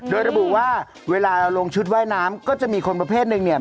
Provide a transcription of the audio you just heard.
โดยระบุว่าเวลาเราลงชุดว่ายน้ำก็จะมีคนประเภทหนึ่งเนี่ย